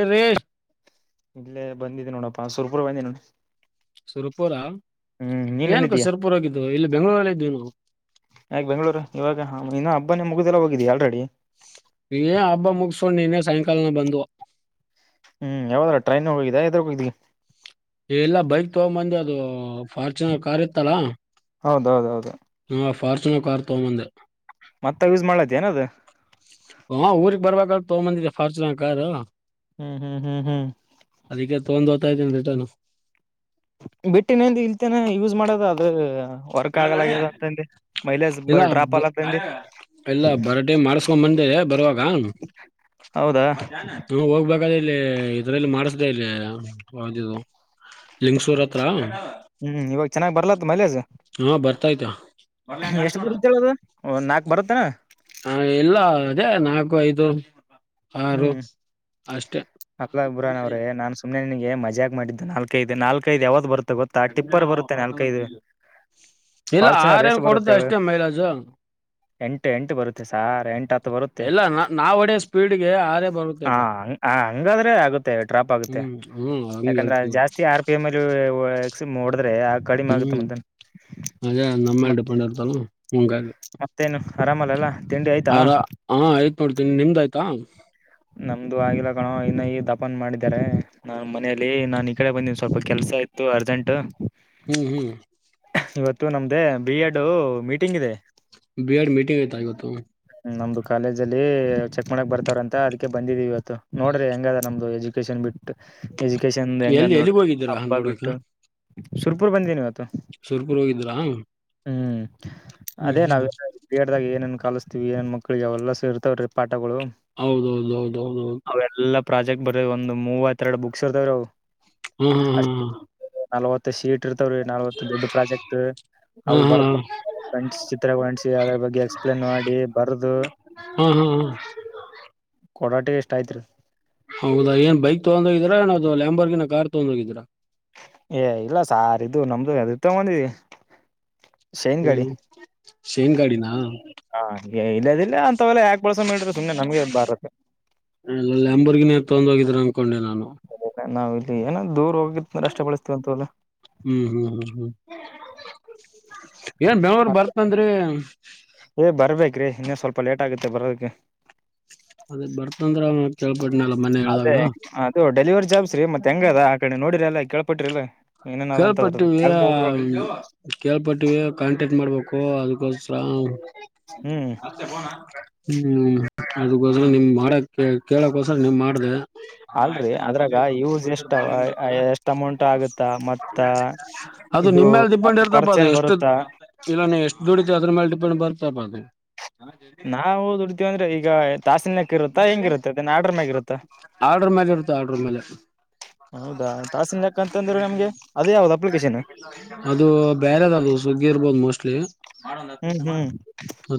ಅ ರೇ ಇಲ್ಲೇ ಬಂದಿದೆ ನೋಡಪ್ಪ ಸುರ್ಪುರ ಬಂದಿದೆ ನೋಡ್ ಸುರಪುರ ಏನ್ ಕ ಎಲ್ಲಿದ್ದೀಯಾ ಸುರಪುರೋಗಿದ್ದ್ವು ಇಲ್ಲಿ ಬೆಂಗಳೂರಲೀ ಇದ್ವಿ ನಾವು ಯಾಕ ಬೆಂಗ್ಗಳೂರ್ ಇವಾಗ ಇನ್ನ ಹಬ್ಬನೇ ಮುಗದೆಲ್ಲ ಹೋಗಿದೀ ಆಲ್ರೆಡಿ ನೀ ಹಬ್ಬ ಮುಗಸಕೊಂಡ್ ನೀನ್ನೇ ಸಾಯಂಕಾಲನ ಬಂದ್ ಹ್ಮ್ ಯಾವದ್ರ ಟ್ರೈನ್ ಹೋಗಿದ್ಯಾ ಎದ್ರ ಹೋಗಿದಿ ಎಲ್ಲ ಬೈಕ್ ತಗೊಂಬಂದ ಅದು ಫಾರ್ಚುನರ್ ಕಾರ್ ಇತ್ತಲಾ ಹೌದೌದೌದು ನಾ ಫಾರ್ಚುನರ್ ಕಾರ್ ತೊಗಂಬಂದೆ ಮತ್ತ ಯೂಸ್ ಮಾಡ್ದ ಏನದ ಹ ಊರ್ಗ್ ಬರ್ಬೇಕಲ್ ತಗೊಂಬಂದಿದ್ದಿದೆ ಫಾರ್ಚುನರ್ ಕಾರ್ ಹ್ಮ್ ಹ್ಮ್ ಹ್ಮ್ ಹ್ಮ್ ಅದಕ್ಕೆ ತೊಗೊಂಡ ಹೊತ್ಇದನೀ ರಿಟರ್ನ್ ಬಿಟ್ಟಿನಂದು ಇಲ್ತೇನೆ ಯೂಸ್ ಮಾಡೋದು ಅದು ವರ್ಕ್ ಆಗಲ್ಯ ಅಂತಂದೆ ಮೈಲೇಜ್ ಬ ಡ್ರಾಪ್ ಅಲತ್ತಿ ಎಲ್ಲ ಬರಟೆ ಮಾಡಸ್ಕೊಂಡ್ ಬಂದೇ ಬರುವಾಗ ಹೌದಾ ಊ ಹೋಗಬೇಕ ಇಲ್ಲಿ ಇದರಲ್ಲಿ ಮಾಡಸ್ದೇ ಇಲ್ಲಿ ಯಾವುದು ಇದು ಲಿಂಗಸೂರ್ ಹತ್ರ ಹ್ಮ್ ಇವಾಗ ಚೆನ್ನಾಗ್ ಬರ್ಲತ್ ಮೈಲೇಜ್ ಹಾ ಬರ್ತಾಯಯ್ತಾ ಎಷ್ಟು [unintelligible] ಬರುತ್ತೇಳದು ನಾಕ್ ಬರುತ್ತೇನ ಹ ಎಲ್ಲ ಹೆ ನಾಲ್ಕು ಐದು ಆರು ಹ್ಮ್ ಅಷ್ಟೇ ಅಕ್ಲ ಅಬುರಾನ್ ಅವ್ರೆ ನಾನ್ ಸುಮ್ನೆ ನಿನಗೆ ಮಜ್ಜ ಜಾಗ ಮಾಡಿದ್ದು ನಾಲ್ಕೈದು ನಾಲ್ಕೈದು ಯಾವ್ದ್ ಬರುತ್ತೆ ಗೊತ್ತಾ ಟಿಪ್ಪರ್ ಬರುತ್ತೆ ನಾಲ್ಕೈದು ಇಲ್ಲ ಆರ ಫಾರ್ಚುನರ್ ನ್ ಎಷ್ಟು ಬರುತ್ತೆ ಕೊಡುತ್ತೆ ಹೇಳು ಅಷ್ಟೇ ಮೈಲಾಜ ಎಂಟು ಎಂಟು ಬರುತ್ತೆ ಸಾರ ಎಂಟು ಹತ್ತು ಬರುತ್ತೆ ಇಲ್ಲ ನಾ ನಾವ್ ಹೊಡಿಯೋ ಸ್ಪೀಡ್ಗೆ ಆರೇ ಬರುತ್ತೆ ಹಾ ಇಪ್ಪ ಹ ಹ ಹಂಗಾದ್ರೆ ಆಗುತ್ತೆ ಡ್ರಾಪ್ ಆಗುತ್ತೆ ಹ್ಮ್ ಹ್ಮ್ ಹಂಗ ಯಾಕಂದ್ರೆ ಹೇಳ್ತೀವಿ ಜಾಸ್ತಿ ಆ ಮೋಡದ ಆ ಕಡಿಮೆ ಆಗುತ್ತ ಹ್ಮ್ ಮ ಅದೇ ನಮ್ಮ ಮೇಲೆ ಮತ್ತ ಡಿಪೆಂಡ್ ಇರ್ತಲ್ಲ ಹಂಗಾಗಿ ಮತ್ತೇನು ಆರಾಮಲ್ಲಲ್ಲ ತಿಂಡಿ ಆಯ್ತಾ ಆರ ಹ ಯ್ತ್ ಮಾಡೋಡ್ತೀನಿ ನಿಮ್ದ ಆಯ್ತಾ ನಮ್ದು ಆಗಿಲ್ಲ ಕಣೋ ಇನ್ನ ಈ ದಪನ್ ಮಾಡಿದ್ದಾರೆ ನಾ ಮನೆಯಲ್ಲಿ ನಾನ್ ಈ ಕಡೆ ಬಂದನ್ ಸ್ವಲ್ಪ ಕೆಲ್ಸ ಆಯ್ತು ಅರ್ಜೆಂಟ್ ಹ್ಮ್ ಹ್ಮ್ ಇವತ್ತು ನಮ್ದ ಬಿ ಎಡ್ ಮೀಟಿಂಗ್ ಇದೆ ಬಿ ಎಡ್ ಮೀಟಿಂಗ್ ಇತ ಇತ್ತು ಕಾಲೇಜಲ್ಲಿ ಚೆಕ್ ಮಾಡಕ್ ಬರ್ತಾರ ಅಂತ ಅದಕ್ಕೆ ಬಂದಿದೀವಿ ಇವತ್ತು ನೋಡ್ರಿ ಹೆಂಗದ ನಮ್ದು ಎಜುಕೇಶನ್ ಬಿಟ್ಟು ಎಜುಕೇಶನ್ ಹೆಂಗ ಎಲ್ಲಿ ಎಲ್ಲಿಗ್ ನೋಡ್ರಿ ಹೋಗಿದ್ದೀರಾ ಹಬ್ಬ ನೋಡಕ ಬಿಟ್ಟು ಸುರ್ಪುರ್ ಬಂದೀನಿ ಇವತ್ತು ಸುರ್ಕುರ್ ಹೋಗಿದ್ರಾ ಹ್ಮ್ ಅದೇ ನಾವ ಕ್ರಡ್ದಾಗ ಏನನ್ ಕಲಿಸ್ತೀವಿ ಏನ್ ಮಕ್ಳಿಗೆ ಅವೆಲ್ಲ ಸೇರ್ತಾವ್ರೀ ಪಾಠಗಳು ಹೌದೌದೌದೌದೌದು ಅವೆಲ್ಲಾ ಪ್ರಾಜೆಕ್ಟ್ ಬರ್್ ಒಂದು ಮೂವತ್ತ ಎರಡು ಬುಕ್ಸ್ ಇರ್ತಾವ್ರು ಹ್ಮ್ ಹ್ಮ್ ಹ್ಮ್್ಮ ನಲ್ವತ್ ಶೀಟ್ ಇರ್ತವ್ರೀ ನಲ್ವತ್ ದೊಡ್ ಪ್ರಾಜೆಕ್ಟ್ ಅವು ಹ್ಮ್ ಹ್ಮ್ ಹ್ಮ್ ಹ್ಮ್ ಬರ್ಕೊಂಡ ಚಿತ್ರ ಅದ್ರ ಬಗ್ಗೆ ಎಕ್ಸ್ಪ್ಲೇನ್ ಮಾಡಿ ಬರದು ಹ್ಮ್ ಹ್ಮ್ ಹ್ಮ್ ಕೊಡಾಟ ಎಷ್ಟ ಆಯ್ತ್ರಿೀ ಹೌದಾ ಏನ್ ಬೈಕ್ ತಗೊಂಡ ಹೋಗೀರಾ ನಾವವು ಯಾಂಬರ್ಗೆ ನ ಕಾರ್ ತಗೊಂಡ ಹೋಗಿದ್ರಾ ಏ ಇಲ್ಲ ಸಾರ್ ಇದು ನಮ್ದು ಅ ಇ ತಂಬಂದಿ ಹ್ಮ್ ಶೇಂಗಾಡಿನ ಹಾ ಇಲ್ಲದಿಲ್ಲ ಅಂತವೆಲ್ಲ ಯಾಕೆ ಬಳ್ಸ ಮ್ರಿ ಸುಮ್ನೆ ನಮ್ಗೆ ಬಾರತ್ತ ಎಲ್ಲ ಎಂಬರ್ಗಿನೇ ತೊೊಂಡ ಹೋಗಿದ್ರ ಅನ್ಕೊಂಡೆ ನಾನು ನಾವ್ ಇಲ್ಲಿ ಏನ ದೂರ್ ಹೋಗಿತ್ತುಂದ್ರ ರಷ್ಟ ಬೆಳಸ್ತೀವಂತ ಅಲ್ಲ ಹ್ಮ್ ಹ್ಮ್ ಹ್ಮ್ ಹ್ಮ್ ಏನ್ ಬೆಂಗಳೂರ್ ಬರ್ತಂದ್ರಿ ಇನ್ನೆ ಸ್ವಲ್ಪ ಲೇಟ್ ಆಗುತ್ತೆ ಬರೋದಕ್ಕೆ ಅದೇ ಬರ್ತಂದ್ರ ಅವ ಕೆ ಅದೇ ಅದು ಡೆಲಿವರಿ ಜಾಬ್ಸ್ರಿ ಮತ್ತತ್ ಹೆಂಗ ಅದ ಆ ಕಡೆ ನೋಡಿರಿ ಎಲ್ಲ ಕೇಳ್ಪಟ್ರಿಲ್ಲ ಕೇಳ್ಪಟ್ಟಿವವಿ ಕೇಳ್ಪಟ್ಟಿವ ಕಾಂಟ್ಯಾಕ್ಟ್ ಮಾಡ್ಬೇಕು ಅದಕು ಸ್ಲ ಹ್ಮ್ ಹ್ಮ್ ಅದಕ್ಕೋಸ್ರ ನಿಮ್ ಮಾಡಕ್ ಕೇಳಕ್ಕೋಸ್ರ ನಿಮ್ ಮಾಡ್ದ ಅಲ್ರರಿ ಅದ್ರಾಗ ಯೂಸ್ ಎಷ್ಟ ಎಷ್ಟ್ ಅಮೌಂಟ್ ಆಗತ್ತ ಮತ್ ಅದು ನಿಮ್ಮ ಮೇಲೆ ಡಿಪೆಂಡ್ ಇರ್ತಪ್ಪ ಖರ್ಚ ಅದು ಏನ್ ಎಷ್ಟು ಬರುತ್ತಾ ಇಲ್ಲ ನೀ ಎಷ್ಟು ದುಡಿತ ಅದ್ರ ಮೇಲೆ ಬರ್ತ ಬ ನಾವವು ದುಡ್ತಿೀವಂದ್ರೆ ಈಗ ತಾಸಿನ ಇರುತ್ತಾ ಹೆಂಗಿರುತ್ತೆ ಅದನ್ನ ಆರ್ಡರ್ ಮ್ಯಾಗ ಇರುತ್ತಾ ಆರ್ಡರ್ ಮೇಲೆ ಇತ ಆರ್ಡರ್ ಮೇಲೆ ಹೌದಾ ತಾಸಿನ ಲೆಕ್ಕ ಅಂತಂದ್ರೆ ನಮ್ಗೆ ಅದೇ ಯಾವ್ದ್ ಅಪ್ಲಿಕೇಶನ್ ಅದು ಬೇರೆದ ಅದು ಸುಗ್ಗಿ ಮೋಸ್ಟ್ಲಿ ಹ್ಮ್ ಹ್ಮ್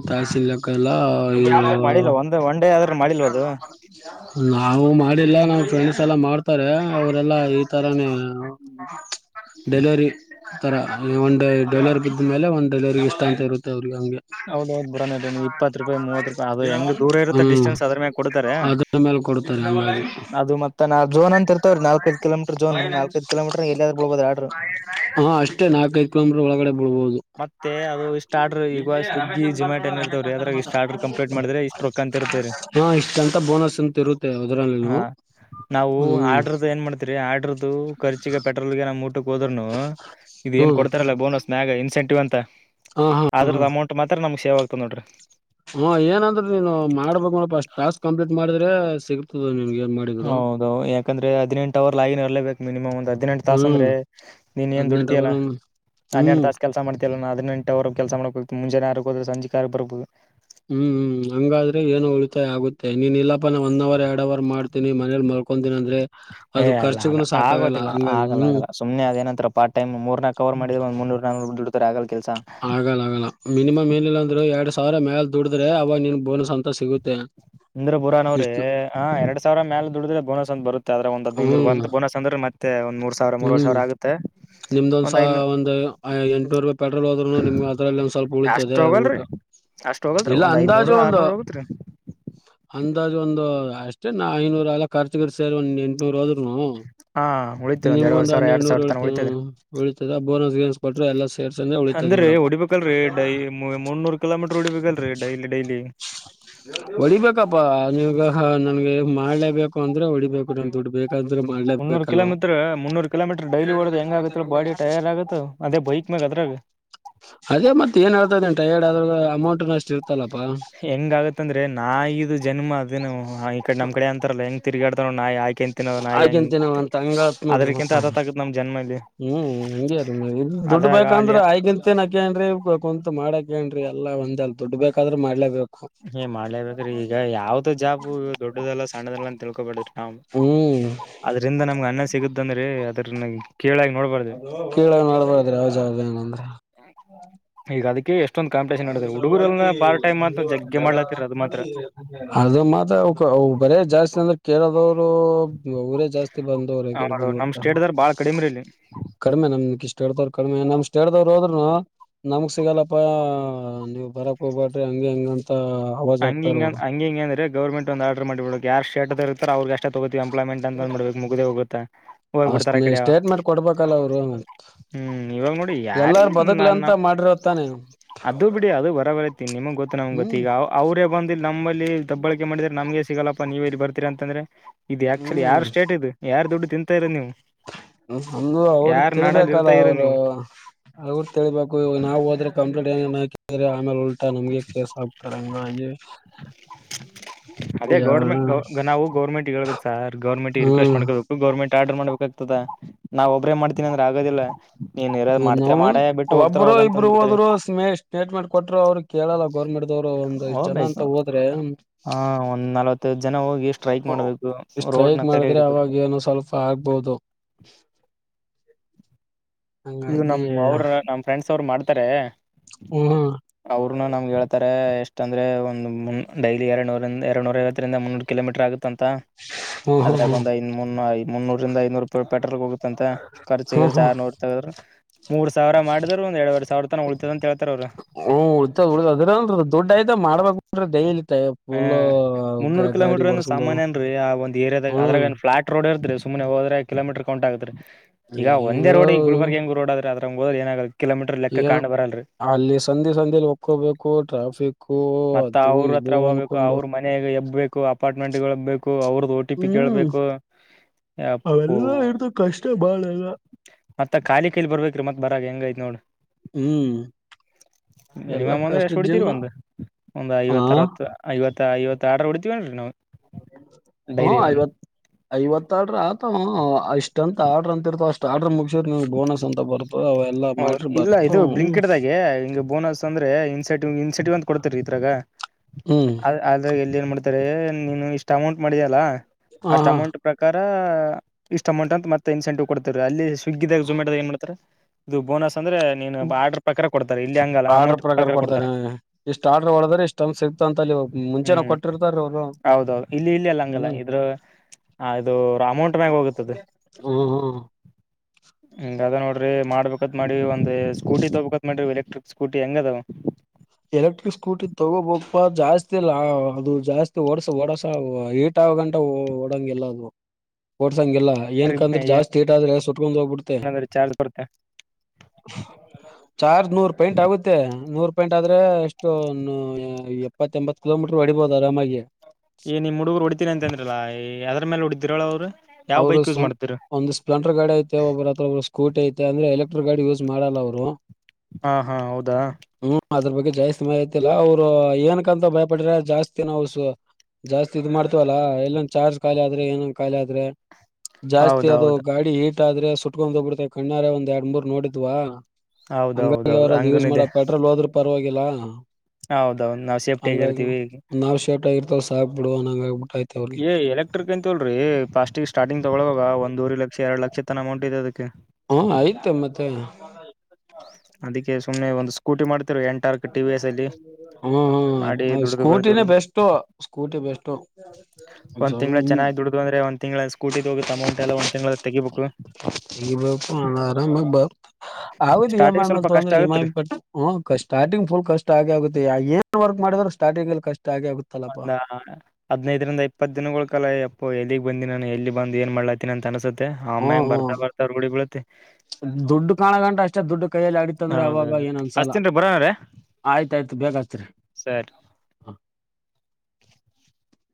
ತ್ತಕ್ಕಲ್ಲ ಇ ಯಾವಾಗ ಮಾಡಿಲ್ಲ ಒಂದ್ ಒನ್ ಡೇ ಆದ್ರ ಮಾಡಿಲ್ವ ಅದು ನಾಾವ ಮಾಡ ಎಲ್ಲ ನಮ್ಮ ಫ್ರೆಂಡ್ಸ್ ಎಲ್ಲ ಮಾಡ್ತಾರೆ ಅವರೆಲ್ಲಾ ಈ ತರನೇ ಡೆಲರಿ ತರ ಒಂದು್ ಡೆಲವರಿ ಬಿದ್ದ ಮೇಲೆ ಒಂದು್ ಡೆಲರಿ ಇಷ್ಟ ಅಂತ ಇರುತ್ತೆ ಹೌದೌದು ಬರೋಣ ನಿಮ್ಗೆ ಇಪ್ಪತ್ ರೂಪಾಯಿ ಮೂವತ್ ರೂಪಾಯಿ ಅದು ಹೆಂಗ್ ಜರೋನ್ ದೂರ ಇರುತ್ತೆ ಡಿಸ್ಟೆನ್ಸ್ ಅದ್ರ ಮೇ ಕೊಡ್ತಾರೆ ಕೊಡ್ತಾರೆ ಹಂಗಾಗಿ ಅದು ಮತ್ತೆ ನಾ ಜೋನ್ ಅಂತ ಇರ್ತವ್ರೀ ನಾಲ್ಕೈದು ಕಿಲೋಮ ಆರ್ಡರ್ ಹ ಅಷ್ಟೇ ನಾಲ್ಕೈದು ಕಿಲೋಮೀಟರ್ ಒಳಗಡೆ ಬಿಡ್ಬುದು ಮತ್ತೆ ಅದು ಇಷ್ಟ ಆರ್ಡ್ರ ನ್ ಈಗ ರಮೇಶ್ ಸ್ವಿಗ್ಗಿ ಅಂತ ಬರ್ ಜೊಮ್ಯಾಟೊ ನೋಡ ಏನ್ ರಮೇಶ್ ಇರ್ತಾವ್ರೀ ಅಂತಾನ ಅದ್ರಾಗ ಇಷ್ಟ ಮಾತಾಡ ಆರ್ಡ್ರ ಕಂಪ್ಲೀಟ್ ಮಾಡಿದ್ರೆ ಇಷ್ಟ ರೊಕ್ಕ ಅಂತ ಇರ್ತವ್ರೀ ಹಾ ಇಷ್ಟಂತ ಬೋನಸ್ ಅಂತ ಇರುತ್ತೆ ಅದರಲ್ಲಿ ಹಾ ನಾವು ಆರ್ಡ್ರದದು ಏನ್ ಮಾಡ್ತೀರಿ ಆಡ್ರದದು ಖರ್ಚಿಗೆ ಪೆಟ್ರೋಲ್ಗೆ ನಾವು ಹೋದರುನು ಇ ಏನ್ ಹ್ಮ್ ಕೊಡ್ತಾರಲ್ಲ ಬೋನಸ್ ನಾಗ ಇನ್ಸೆಂಟಿವ್ ಅಂತ ಹಾ ಹಾ ಹಾ ಅದ್ರದ ಅಮೌಂಟ್ ಮಾತ್ರ ನಮ್ಗ್ ಸೇವ್ ಆಗ್ತದೆ ನೋಡ್ರಿ ಹಾ ಏನಂದ್ರೆ ನೀನು ಮಾಡ್ಬೇಕ್ ನೋಡಪ ಅಷ್ಟ್ ಟಾಸ್ಕ್ ಕಂಪ್ಲೀಟ್ ಮಾಡಿದ್ರೆ ಸಿಗ್ತದ ನಿಮ್ಗೆ ಹೌದ ಯಾಕಂದ್ರೆ ಹದಿನೆಂಟ ಅವರ್ ಲ ಆನ್ ಇರ್ೇಬೇಕು ಮಿನಿಮಮ್ ಒ್ ಹದಿನೆಂಟ್ ತಾಸ ಅಂದ್ರೆ ನೀನ್ ಇ ದುಡಿತಿಯಲ್ಲ ಟವೂಮ ಹನ್ನೆರಡು ತಾಸ ಕೆಲಸ ಮಾಡ್ತಿಲ್ಲ ನ ಹಿನೆಂಟವರೆಗ ಕೆಲಸ ಮಾಡಬೇಕು ಮುಜಾನೆ ಯಾರ್ಗ ಹೋದೆ ಸಂಜೆ ಆಾರ್ಗ್ ಬರ್ಬೇಕು ಹ್ಮ್್ಮ್ ಹಂಗಾದ್ರೆ ಏನೋ ಉಳಿತಾಯ ಆಗುತ್ತೆ ನೀನ್ ಇಲ್ಲಾನ ಒಂದ್ ಅವರ್ ಎರಡ್ ಅವರ್ ಮಾಡ್ತೀನಿ ಮನೇಲಿ ಮ ಕಕೊಂಡಂತಿನನ ಅ್ರೆ ಏ ಅಲ್ಲ ಆಗೋದಿಲ್ಲ ಆಗಲ್ಲ ಹ್ಮ್ ಆಗಲ್ಲ ಸು್ನೆ ಅದೇಏನಂತ್ರ ಪಾರ್ಟ್ ಟೈಮ್ ಮೂರ್ ನ ಕವರ್ ಮಾಡಿದ್ರೂ ಆಗಲ್ಲ ಆಗಲ್ಲ ಮಿನಿಮ್ ಮಏನಿಲ್ಲ ಅಂದರ ಎರಡು ಸಾವ್ರ ಮೇಾಲ ದುಡ್ರೆ ಅವಾಗ ನಿನ್ ಬೋನಸ್ ಅಂತ ಸಿಗುತ್ತೆ ಇಂದ್ರ ಬುರಾ ಅವವ್ರರಿ ಇಷ್ಟು ಎರಡ್ ಸಾವಿರ ಮೇಲೆ ದುಡಿದ್ರ ಬೋನಸ್ ಅ ಬತ್ತ ಅದೆ ಒಂದ ಹದ್ೈನೂರು ಅ ಹ್ಮ್ ಬನಸ್ ಅಂದ್ರೆೆ ಮತ್ತೆ ಒಂದ್ ಮೂರ್ ಸಾವಿರ ಮೂವರ್ ಹ್ಮ್ ಸಾವಿರ ಆಗುತ್ತೆ ನಿಮ್ದೊಂದ್ ಸ ಒಂದ್ ಐನೂ ಎಂಟುನೂರು ರೂಪಾಯಿ ಪೆಟ್ರೋಲ್ ಹೋದ್ೂನು ನಿಮ್ಗೆ ಅದರಲ್ಲಿ ಒಂದು ಸ್ವಲ್ಪ ಅಷ್ಟ್ ಉಳಿತದೆ ಊಟ ಹೋಗಲ್ರಿ ಅಷ್ಟ್ ಹೋಗಲ್ರಿೀ ಒಂದ್ ಐದನೂರು ಆರ್ನೂರ್ ಹೋಗತ್ರಿ ಹ ಅ್ ಒಂದು ಅಷ್ಟೇ ನಾ ಐನೂರು ಎಲ್ಲ ಖರ್ಚು ಗ ಸೇರ್ ಒಂದ್ ಎಂಟುನೂರು ಹೋದ್ರುನು ಹಾ ಉಳಿತ್ರಿ ಒಂದ್ ನಿಮ್ಗ ಎರಡುವರೆ ಒಂದು ಸಾವಿರ ಎರಡ್ ಹನ್ನೆರಡುನೂರ್ ಸಾವಿರ ತನ ಉ ಉಳಿತದ್ರಿ ಉಳತದ ಬೋನಸ್ ಗಸ್ ಕೊಟ್ರ ಎಲ್ಲ ಸೇರ್ಸಂದ್ರೆ ಉಳಿತದ ಅಂದ್ರೀ ನೋಡಪ್ಪ ಹೊಡಿಬೇಕಲ್ರರಿ ಡೈ ಮೂನೂರು ಕಿಲೋಮೀಟರ್ ಉಡಿಬೇಕಲ್ರರಿ ಡೈಲಿ ಡೈಲಿ ಹೊಡಿಬೇಕಪ್ಪಾ ನೀಗ ನನ್ಗೆ ಮಾಡ್ಲೇಬೇಕು ಅಂದ್ರೆ ಹೊಡಿಬೇಕು ನನ್ ದುಡ್ ಬೇಕು ಮುನ್ನೂರು ಕಿಲೋಮೀರ್ ಮುನ್ನೂರು ಕಿಲೋಮೀಟರ್ ಡೈಲಿ ಓಡ್ ಹೆಂಗ ಆಗತ್ ಬಾಡಿ ಟೈಯರ್ ಆಗುತ್ತೆ ಅದೇ ಬೈಕ್ ಮ್ಯಾಗ ಅದ್ರಾಗ ಅದೇ ಮತ್ತತ್ ಏನ್ ಹೇಳ್ತದೆ ಉಂಟ ಹೇಳಾದ್ರ ಅಮೌಂಟ್ ನಷ್ಟ ಇತ್ತ ಹೆಂಗ ಆಗತ್ತಂದ್ರೆ ನಾ ಇದು ಜನ್ಮ ಅದ ಈ ಕಡೆ ನಮ್ ಕಡೆ ಅಂತಾರಲ್ಲ ಹೆಂಗ ತಿಗೇಡನ ನಾಯ ಆಯಿ ಹಾಗೆಂತ ನವ ಅಂತ ಹಂಗತ್ ನೋಡ್ರಿ ಮತ್ತ ಅದ್ರಕ್ಕಿಂತ ಹತ ಆಗತ್ ನಮ್ ಜನ್ಮ ಇಲ್ಲಿ ಹ್ಮ್ ಹಂಗ್ಯೀ ನೋ ದುಡ್ಡು ಅದ್ರಾಗ ಅಲ್ಲಿ ಬೇಕಂದ್ರೆ ಆಯಗಂತೇನ್ಾಕನ್್ರಿಂತತ್ ಮಾಡಕ ಹಏೇನ್ರಿ ಎಲ್ಲ ಒಂದ ಅಲ್ ದುಡ್ ಬೇಕಾದ್ರೆ ಮಾಡ್ಲೇಬೇಕು ಏ ಮಾಡ್ಲೇಬೇಕ್ರೀ ಈಗ ಯಾವ್ದ ಜಾಬು ದೊಡ್ಡದಲ್ಲಾ ಸಣ್ಣದಲ್ಲ ಅಂತ ತಿಳ್ಕೊಬೇಡ್ರಿ ಹ ಹ್ಮ್ ಅದ್ರಿಂದ ನಮ್ಗೆ ಅನ್ನ ಸಿಗುತ್ತಂದ್ರೆ ಅದ್ರ ಕೀಳ ನಡ್ಬಾರ್ದ್ರ ಯಾವ ಜಾವ ಏನಂದ್ರ ಅದಕ್ಕೆ ಎಷ್ಟು ಅ ಅಂತ ಜಗ್ಗೆ ಮಾಡ್ಲಾತಿರ ಅದು ಮಾತ್ರ ಮಾತ್ರ ಬರೇ ಜಾಸ್ತಿ ಅಂದ್ರೆ ಕೇಳರೋದು ಊರೇ ಜಾಸ್ತಿ ಬಂದವ್ರ ಈ ಕಡೆ ಅವರು ಬಂಗ್ರ್ ನಮ್ ಸ್ಟೇಟ್ದಾರ್ ಬಾಳ ಕಡಿಮೆ ಇಲ್ಲಿ ಕಡಿಮೆ ನಮ ಇಷ್ಟ ಕತವರು ಕಡಿಮೆ ನಮ ಡ್ದವ್ರು ಹೋದ್ೂ ನಮಗ್ ಸಿಗಲ್ಲಪ್ಪಾ ನೀವು ಬರಕ್ ಹೋಗ್ಬಟ್ರಿ ಹಂಗ ಹೆಂಗಂತ ಹಂಗ ಹಿಂಗ ಹಿಂಗಂದ್ರೆ ಗರ್ೆಟ್ ಒಂದು ಆರ್ಡರ್ ಮಾಡಬಡ ಯಾರ್ ಸ್ಟೇಟದ ಇರ್ತಾರ ಅವ್ರಗಷ್ಟ ತೋತಿವಿ ಎಂಪ್ಲಾಯ್ಮೆಂಟ್ ಅಂತಂದ್ಬಡ್ಬೇಕು ಮುಗದೆೇ ಹೋಗುತ್ತೆ ಹೋಗ್ಬಿಡ್ತಾರೆ ಅಷ್ಟನೇ ಕಡೆ ಸ್ಟೇಟ್ಮೆಂಟ್ ಕೊಡ್ಬೇಕಲ್ಲ ಅವ್ರು ಹ್ಮ್ ಇವಾಗ ನೋಡಿ ಯಾರ ಎಲ್ಲಾರ ಬದುಕ್ಲಿ ನನ್ನ ಅಂತ ಮಾಡಿರತಾನೆ ಅದುೂ ಬಿಡಿ ಅದು ಬರ ಬರತೀನಿ ನಿಮಗ್ ಗೊತ್ತ ನಮ್ ಗೊತ್ತ ಹ್ಮ್ ಈಗ ಅವರೇ ಬಂದಿ ನಮ್ಮಲ್ಲಿ ದಬ್ಬಳಕೆ ಮಾಡಿದ್ರ ನಮ್ಗೆ ಸಿಗಲ್ಲಪ್ಪ ನೀವೇಲ್ಲಿ ಬರ್ತೀರಾ ಅಂತಂದ್ರೆ ಇದು ಆ್ಯಕ್ಚುಲಿ ಯಾರ್ ಸ್ಟೇಟ್ ಇದು ಯಾರು ದುಡ್ಡು ತಿಂತಾರ ನೀವು ಹ ನಮ್ದು ಅವ್ರಗ್ ಯಾರ್ ನಾಡಲ್ಲಿ ತಿಳಬೇಕಲ್ಲ ಇರ್ತಾ ಇರೋ ಅವರು ನೀವು ಅವ ತಿೇಳ್ಬೇಕು ನಾವು ಹದ್ರ ಕಂಪ್ಲೀಟ್ ಆಮೇಲೆ ಉಲ್ಟ ಊ ನಮ್ಗೆ ಕೆಲಸ ಆಗ್ತಾರೆ ಹಂಗ ಹಾಗೆ ಅದೇ ಗೌರ್ಮಂಟ್ ಗ ನವು ಗರ್ೆಂಟ್ೇಬೇಕ ಸರ್ ಗರ್ಮೆಂಟ್ ರಿಕ್ವೆಸ್ಟ್ ಹ್ಮ್ ಮಾಡಕೋಬೇಕು ಗೌರ್ಮೆಂಟ್ ಆಡರ್ ಮಾಡಬೇಕು ಆಗ್ತದ ನಾವ ಒಬ್ಬ್ರೇ ಮಾಡ್ತೀನಿ ಅಂದ್ರೆ ಆಗೋದಿಲ್ಲ ನೀನ್ ಇರೋದ್ ಮಾಡ್ತೀರ ನಾವ ಮಾಡ ಬಿಟ್ಟು ಹೋಗ್ತಾರ ಒಬ್ರು ಹೋಗಂತ ಇಬ್ರು ಅಂದ್ಬಿಡ್ತಾರೆ ಹೋದರು್ಮೇ ಸ್ಟೇಟ್ಮೆಂಟ್ ಕೊಟ್ರು ಅವರು ಕೇಳಲ್ಲ ಗೌರ್ಮೆಂಟ್ ರು ಒಂದ್ ಇಷ್ಟ್ ಜನ ಹೋಗ್ಬೇಕು ಅಂತ ಹೋದ್ರೆ [inaudible] ಹ ಒಂದ್ ನಲ್ವತ್ತೈದು ಜನ ಹೋಗಿ ಸ್ಟ್ರೈಕ್ ಮಾಡ್ಬೇಕು ರೋಡ್ ನ ಸ್ಟ್ರೈಕ್ ತಡೆ ಮಾಡಿದ್ರೆ ಹಿಡಿಬೇಕು ಅವಾಗ ಏನು ಸ್ವಲ್ಪ ಆಗ್ಬೋದು [inaudible] ಇದು ಹಂಗಾಗಿ ನಮ್ ಅವ್ರ ನಮ ಫ್ರೆಂಡ್ಸ್ ಅವರು ಮಾಡ್ತಾರೆ ಹ್ಮ್ ಅವರುನು ನಮ್ಗೆ ಹೇಳ್ತಾರೆ [inaudible] ಎಷ್ಟ ಅಂದ್ರೆ ಒಂದು ಡೈಲಿ ಎರೂರಂದ ಎರಡುನೂರ ಐತ್ತರಿಂದ ಮುನ್ನೂರು ಕಿಲೋಮೀಟರ್ ಆಗುತ್ತೆ [inaudible] ಂತ ಹ್ಮ್ ಹ್ಮ್ ಹ್ಮ್ ಅದ್ರಾಗ ಒಂದ್ ಐದುಐ ಮುನ್ನೂರಿಂದ ಐ [inaudible] ಇೂರು ರೂಪಿ ಪೆಟ್ರೋಲ್ಗೆ ಹೋಗುತ್ತಂತ ಹ್ಮ್ ಹ್ಮ್ ರ್ಚ ಹ್ಮ್ ಆರುನೂರು [inaudible] ಮೂರ್ ಸಾವಿರ ಮಾಡಿದ್ರು ಒಂದ ಎರಡವರೆ ಸಾವಿರ ತನ ಉಳಿತದ ಅಂತ ಹೇಳ್ತಾರ ಅವ್ರು [inaudible] ಹ್ಮ ಉಳತ ಉಳ್ದ ಅದ್ರಂದ ದುಡ್ಡ ಆಯ್ತಾ ಮಾಡ್ಬೇಕಕ್್ರ ದೈಲ ಫುಲ್ ಗಾಡಿ [inaudible] ಸಾಮನ್ ರೀ ಒ ಏರಿಯಾದಾಗ ಅ್ರ ಹ್ಮ್ ಫ್ಲಾ ರೋಡ್ [inaudible] ಸು್ನೆ ಹೋದ್ರೆ ಕಿೋೀಟರ್ ಕೌಂಟ್ ಆಗತ್ ಈಗ ಒಂದೇ ಏನೋ ರೋಡ್ ಈ ಗುಬರ್ಗಂಗ ರೋಡ್ ಆದೆ ಅದ [inaudible] ಹೋದ ಏನ ಕಿಲೋಮೀಟರ್ ಲೆಕ್ಕ ಏನು ಕಂಡ್ ಬರಲ್ರಿ [inaudible] ಅಲ್ಲಿ ಸಂಂದೆ ಸಧಲಿ ಒಕ್ಕೋಬೇಕು ಟ್ರಾಫಿಕ್ು ಮತ್ತ ಅದು ಇದು ಅನ್ಕೊಂಡು [inaudible] ಬೇಕು ಅಪಾರ್ಟ್ಮೆಂಟ್ಗಳು ಬೇಕು ಅವ್ರದ ಟಿ ಪಿ ಕೇಳ್ಬೇಕು [inaudible] ಯಪ್ಪೋ ಅವೆಲ್ಲಾ ಇರ್ದು ಕಷ್ಟ ಬಾಳ ಅಲ್ಲ [inaudible] ಮತ್ತತ್ಖಾಲಿ ಕಲಿ ಬರ್ಬೇಕ ರೀ ಮತ್ ಬರಾಗ ಹೆಂಗೈಐ್ ನೋಡ್ [inaudible] ಹ್ಮ್ [unintelligible] ಎಲ್ಲ ಮಿನಿಮಮ್ ಅಂದ್ರೆ ಕಷ್ಟ ಎಷ್ಟು ಹೊಡಿತೀರಿ ಜೀವನ ಒಂದು ಒಂದ್ ಹ ಐವತ್ತರ ಐವತ್ತು [inaudible] ಇಾ ಇವತ್ತುರ್ಡರ್್ಡ್ತೀವೇನುೀ ನಾವು [inaudible] ಹಾ ಡೈಲಿ ಒಂದ್ ಐವತ್ ಐವತ್ತಾರ ರತ್ [inaudible] ಅಷ್ಟಂತ ಆರ್ಡರ್ ಅಂತಿರ್ತೋ ಅಷ್ಟ್ ಆರ್ಡರ್ ಮುಗಸರ್ ನಿಗ್ ಬೋನಸ್ ಅಂತ ಬರುತ್ತೆ [inaudible] ಹೌದು ಇಲ್ಲ ಇದು ಬ್ಲಿಂಕಡ್್ದಾಗೆ ಹಿಂಗ ಬೋನಸ್ ಅಂದ್ರೆ ಇನ್ಸೆಟ್ [inaudible] ಇನ್ಸೆಟಿವ್ ಅಂತ ಕೊಡ್ತರಿ ಇದರ ಹ್ಮ್ ಆದ್ರೆ [inaudible] ಏನ್ ಮಾಡ್ತಾರೆ ನೀ ಇಷ್ಟ ಅಮೌಂಟ್ ಮಾಡಿದ ಅಲ್ಲ ಹ ಅಷ್ಟ ಹಾ ಅಮೌಂಟ್ ಪ್ರಕಾರ [inaudible] ಇಷ್ಟ ಅಮೌಂಟ್ ಅಂತ ಮತ್ತೆ ಇನ್ಸೆಂಟಿವ್ ಕೊಡ್ತವ ಅಲ್ಲಿ ಸ್ವಿಗ್ಗಿದಾಗ ೊಮೆಟೋಾಗ ಏನ್ ಮಾಡ್ತಾರೆ [inaudible] ಬೋನಸ್ ಅಂದ್ರೆ ನೀನು ಆರ್ಡರ್ ಪ್ರಕಾರ ಕೊಡ್ತಾರೆ ಇಲ್ಲಿ ಹಂಗಲ್ಲ ಆರ್ಡ್ರ ಅಮೌಂಟ್ ಪ್ರಕಾರ ಕೊಡ್ತಾರೆ ಕೊಡ್ತಾರ [inaudible] ಇಷ್ಟ್ ಆರ್ಡ್ರ ಹೊಡದ್ರೆ ಇಷ್ಟಂದ ಸಿಗ್ತ ಅಂತ ಅಲ್ಲಿ ಮುಂಚೆನ ಹ್ಮ್ ಕೊಟ್ಟಿರ್ತಾರ ಅವರು ಹೌದೌದು ಇಲ್ಲಿ ಇಲ್ಲಿ ಅಲ್ಲ ಹಂಗಲ್ಲ ಹ್ಮ್ ಇದ್ರ [inaudible] ಹ ಇದು ಅಮೌಂಟ್ ಮ್ಯಾಗ ಹೋಗುತ್ತದೆ ಹ್ಮ್ ಹ್ಮ್ ಹ ಅದ ನೋ [inaudible] ್ರೀ ಮಾಡ್ಬೇಕತ್ ಮಾಡಿ ಒಂದ್ ಸ್ಕೂಟಿ ತೊೋಬೇಕತ್ ಮಾಡರಿ ಇಲೆಕ್ಟ್ರಿಕ್ ಸ್ಕೂಟಿ ಹೆಂಗ ಅದಾವ್ [inaudible] ಎಲೆಕ್ಟ್ರಿಕ್ ಸ್ಕೂಟಿ ತಗೋಬಾ ಜಾಸ್ತಿಲ್ಲ ಅದು ಜಾಸ್ತಿ ಓಡಸ ಓಡಸ ಏಟ [inaudible] ಾವ ಗಂಟಾ ಓಡಂಗಗೆಲ್ಲ ಅದು ಓಡ್ಸಂಗಗೆಲ್ಲ ಏನಕಂದ್ರೆ ಜಾಸ್ತಿ ಇಾದ್ರೆ [inaudible] ಏನಾದ್ರೆ ಚಾರ್ಜ್ ಕೊಡತ್ತೆ [inaudible] ಚಾರ್ಜ್ ನೂರು ಪಾಯಿಂಟ್ ಆಗುತ್ತೆ ನೂರ್ [inaudible] ಆದ್ರೆ ಎಷ್ಟು ಎಪ್ಪತ್ತ ಎಂಬತ್ ಕಿಲೋಮೀಟರ್ ಹೊಡಿಬಹುದು ಆರಾಮಾಗಿ [inaudible] ಈ ನಿಮ್ಮ ಹುಡುಗರು ಉಡಿತೀನ ಅಂತೆ ಅಂದ್ರಲ್ಲಾ ಯ ಅದ್ರ ಮೇಲೆ ಉ ಹೊಡಿದಿರಳ ಅವ್ರು [inaudible] ಅವರು ಬೈಕ್ ಯೂಸ್ ಮಾಡ್ತೀರ ಒಂದು ಸ್ಪ್ಲೆಂಡರ್ ಗಾಡಿ ಆಐತೆ ಒಬ್ಬರ ಹತ್ರ [inaudible] ಸ್ಕೂಟಿ ಐತೆ ಅಂದ್ರೆ ಎಲೆಕ್ಟ್ರಿಕ್ ಗಾಡಿ ಯೂಸ್ ಮಾಡಲ್ಲ ಅವರು [inaudible] ಹಾ ಹಾ ಹೌದಾ [inaudible] ಹ್ಮ್ ಅದ್ರ ಬಗ್ಗೆ ಜಾಸ್ತಿ ಸಮಯ ಆಐತಿಲ್ಲ ಅವ್ರು ಏನಕ್ಕಂತ ಭಯಪಡ್ರೆ ಜಾಸ್ತಿಿನ [inaudible] ಜಾಸ್ತಿ ಇದ್ ಮಾಡ್ತವಲ್ಲಾ ಎಲ್ಲೊಂದ ಚಾರ್ಜ್ ಖಾಲಿ ಆದ್ರೆ ಏನನ್ ಖಾಲಿ ಆದ್ರೆ [inaudible] ಜಾಸ್ತಿ ಅದು ಹೌದೌದು ಗಾಡಿ ಹೀಟ್ ಆದ್ರೆ ಸುಟ್ಕೊಂಡ್ೋಗ್ಬಿಡ್ತೈ ಕಣ್ಣಾರೆ ಒಂದ್ ಎರಡ್ ಮೂರ್ ನೋಡಿದ್ವಾ [inaudible] ಹಂಗಾಗಿ ಹೌದೌದೌದು ಅವ್ರದು ಯೂಸ್ ಹಂಗನು ಮಾಡ ಇದೆ ಪೆಟ್ರೋಲ್ ಹೋದ್ರರು ಪರವಾಗಿಲ್ಲ [inaudible] ಹೌದೌದು ನಾವು ಸೇಫ್ಟಿ ಹಂಗ ಆತು ಆಗಿರ್ತೀವಿ ಒ ನಾ ಶರ್ಟ್ ಆಗಿರ್ತವ ಸಾಕ್ಬ ಬಿಡು ಹಂಗ ಆಬ [inaudible] ಏ್ಲೆಕ್ಟ್ರಿಕ್ ಅಂತ ಹೇಳಲ್ರಿೀ ಪ್ಾಸ್ಟಿಕ್ ಸ್ಟಾರ್ಟಿಂಗ್ ತಗೊಳಾಗ ಒಂದವ ಲಕ್ಷ ಎರಡು ಲಕ್ಷ ತನ್ ಅಮೌಂಟ್ ಇ ಅದಕ್ಕೆ [inaudible] ಹಾ ಆಯ್ತ ಮತ್ತೆ [inaudible] ಅದಕ್ಕೆ ಸುಮ್ನೆ ಒಂದು ಸ್ಕೂಟಿ ಮಾಡ್ [inaudible] ಹ್ಮ ಮಾಡಿ ಹಾ ದುಡ್ದು ಬರ್ದು ಸ್ಕೂಟಿಿನ ಬೆಸ್ು ಸ್ಕೂಟಿ ಬೆಸ್ಟ್ು [inaudible] ಒಂದ್ ತಿಂಗಳ ಚೆನ್ನಾಗಿ ದುಡ್ದು ಅಂದ್ರೆ ಒಂದ [inaudible] ತಿಂ ಸ್ಕೂಟಿ ಹೋಗುತ್ತ ಅಮೌಂಟ್ ಎಲ್ಲ ಒಂದ ತಿಂಗಳ ತೆಗಿಬೇಕು [inaudible] ತೆಗಿಬೇಕು ಆರಾಮಾಗಿ ಬ ಆಗುತ್ತೆ ಎಮಐ ಸ್ಟಾರ್ಟಿಂಗ್ ಮೇಲ್ ಸ್ವಲ್ಪ ಕಷ್ಟ ತೊಂದ್ರೆ ಎಮ ಆಗತ್ರಿ ಪಟ್ಟ ಸ್ಟಾರ್ಟಿಂಗ್ ಫುಲ್ ಕಷ್ಟ ಆಗಿ ಆಗುತ್ತೆ ಏನ್ ವರ್ಕ್ ಮಾಡ್ರು ಸ್ಟಾರ್ಟಂಗ್ ಕಷ್ಟ [inaudible] ಆಗುತ್ತಲ್ಲಪ್ಪಾ ಒಂದ ಹದ್ನೈದರಿಂದ ಇಪ್ಪತ್ತು ದಿನಗಳ ಕಾಲ ಓ ಎಲ್ಲಿಗೆ ಬಿ ನಾನು ಎಲ್ಲಿ ಬಂದು ಏನ್ ಮಾಡಲಾತಿನ ನನ್ ಅನಸ ಹ್ಮ ಹ್ಮ ದುಡ್ಡು ಕಾಣಗಂಟ ಅಷ್ಟೇ ದುಡ್ಡು ಕೈಯಲ್ಲಿ ಆಡಿತಂದ್ರೆ ಅವಾಗ ಹೌದೌದು ಏನಂದ್ಸಲ ಹಚ್ತೀನ್ರಿ ಬರೋಣ್ರೀ ಆಯ್ತಾಯ್ತು ಬೇಕತರಿ ಸರಿ ಹಾ